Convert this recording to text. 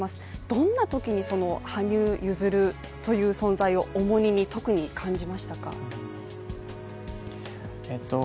どんなときに羽生結弦という存在を重荷に特に感じましたか。